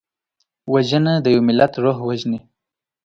وژنه د یو ملت روح وژني